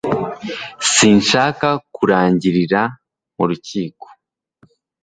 Sinshaka kurangirira mu rukiko